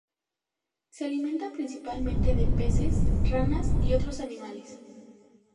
Se alimenta principalmente de peces, ranas y otros animales.